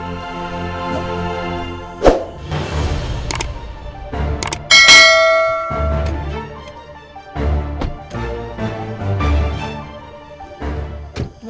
gimana ini kita telat gak ya